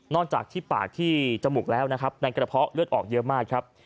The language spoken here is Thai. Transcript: จากที่ปากที่จมูกแล้วนะครับในกระเพาะเลือดออกเยอะมากครับ